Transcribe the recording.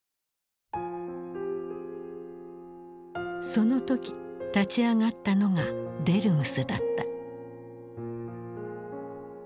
その時立ち上がったのがデルムスだった。